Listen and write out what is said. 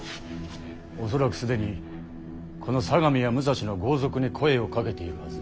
恐らく既にこの相模や武蔵の豪族に声をかけているはず。